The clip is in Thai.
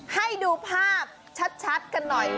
ให้ดูภาพชัดกันหน่อย